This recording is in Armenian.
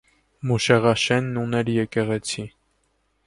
Մուշեղաշենն ուներ եկեղեցի։